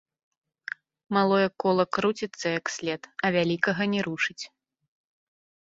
Малое кола круціцца як след, а вялікага не рушыць.